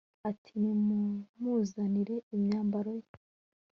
ati nimumuzanire imyambaro ye